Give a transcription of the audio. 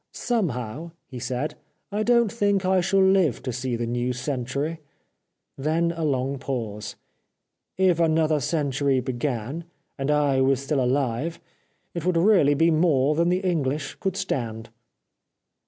' Somehow,' he said, * I don't think I shall live to see the new century.' Then a long pause. * If another century began, and I was still alive, it would really be more than the English could stand.'